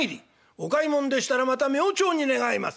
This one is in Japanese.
お買いもんでしたらまた明朝に願います。